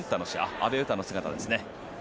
阿部詩の姿ですね。